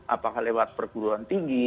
apakah lewat perguruan tinggi